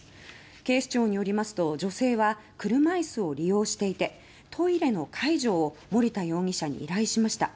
警視庁によりますと女性は車椅子を利用していてトイレの介助を森田容疑者に依頼しました。